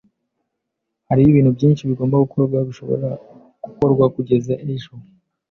Hariho ibintu byinshi bigomba gukorwa bidashobora gukorwa kugeza ejo.